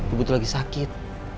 ibu tuh lagi sakit